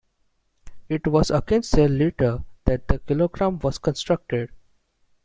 It was against this litre that the kilogram was constructed.